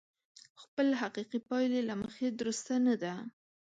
خپلې حقيقي پايلې له مخې درسته نه ده.